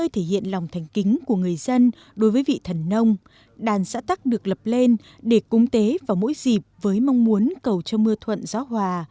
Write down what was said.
thể hiện lòng thành kính của người dân đối với vị thần nông đàn xã tắc được lập lên để cúng tế vào mỗi dịp với mong muốn cầu cho mưa thuận gió hòa